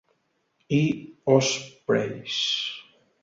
i Ospreys.